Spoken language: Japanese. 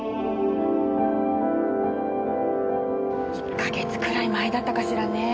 １か月くらい前だったかしらねえ。